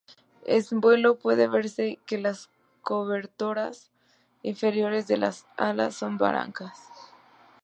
En vuelo, puede verse que las cobertoras inferiores de las alas son blancas.